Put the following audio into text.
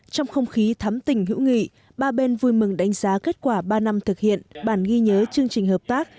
trong không khí thắm tỉnh hữu nghị ba bên vui mừng đánh giá kết quả ba năm thực hiện bản ghi nhớ chương trình hợp tác